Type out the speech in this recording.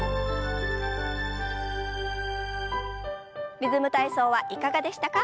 「リズム体操」はいかがでしたか？